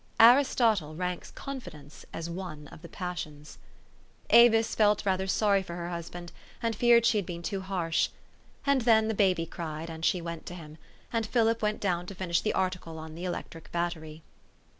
Aristotle ranks confidence as one of the passions. Avis felt rather sorry for her husband, and feared she had been harsh. And then the baby cried, and she went to him ; and Philip went down to finish the article on the electric battery.